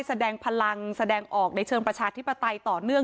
แสดงพลังแสดงออกในเชิงประชาธิปไตยต่อเนื่อง